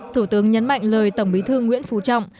thủ tướng nhấn mạnh lời tổng bí thư nguyễn phú trọng